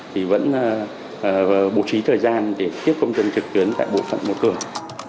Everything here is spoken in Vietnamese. thì vẫn bổ trí thời gian để tiếp công dân trực tuyến tại bộ phận mô tường